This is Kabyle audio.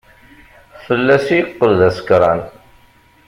Fell-as i yeqqel d asekṛan.